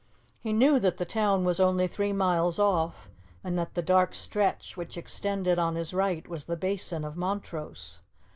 He knew that the town was only three miles off, and that the dark stretch which extended on his right was the Basin of Montrose.